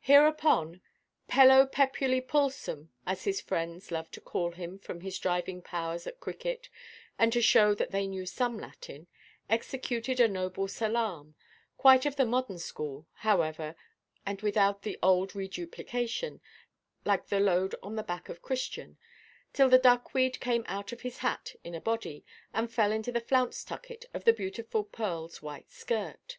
Hereupon "Pello, pepuli, pulsum" (as his friends loved to call him from his driving powers at cricket, and to show that they knew some Latin) executed a noble salaam—quite of the modern school, however, and without the old reduplication (like the load on the back of Christian)—till the duckweed came out of his hat in a body, and fell into the flounce tucket of the beautiful Pearlʼs white skirt.